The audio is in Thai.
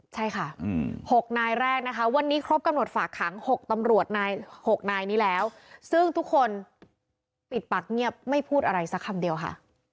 ใช่ค่ะ๖นายแรกนะคะวันนี้ครบกำหนดฝากขัง๖ตำรวจนาย๖นายนี้แล้วซึ่งทุกคนปิดปากเงียบไม่พูดอะไรสักคำเดียวค่ะ